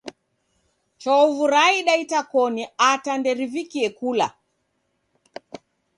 Chovu raida itakoni ata nderivikie kula